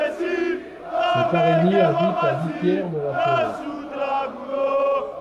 Cette araignée habite la litière de la forêts.